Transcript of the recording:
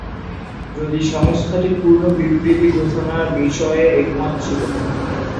যদি সংস্থাটি পূর্ণ বিবৃতি ঘোষণার বিষয়ে একমত ছিলো।